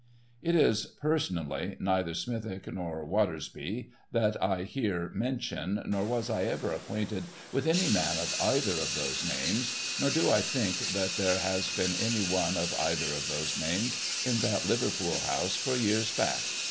It is, personally, neither Smithick, nor Watersby, that I here mention, nor was I ever acquainted with any man of either of those names, nor do I think that there has been any one of either of those names in that Liverpool House for years back.